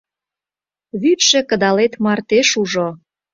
— Вӱдшӧ кыдалет марте шужо.